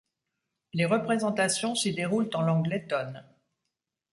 Les représentations s'y déroulent en langue lettonne.